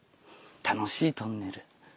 楽しいトンネル。